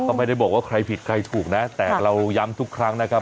ก็ไม่ได้บอกว่าใครผิดใครถูกนะแต่เราย้ำทุกครั้งนะครับ